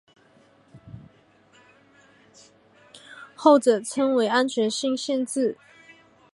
后者称为安全性限制。